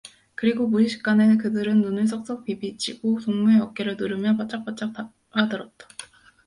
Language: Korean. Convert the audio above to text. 그리고 무의식간에 그들은 눈을 썩썩 비비치고 동무의 어깨를 누르며 바짝바짝 다가들었다.